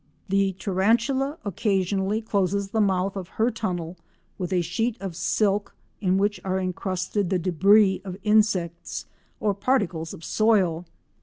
The Tarantula occasionally closes the mouth of her tunnel with a sheet of silk in which are encrusted the débris of insects or particles of soil.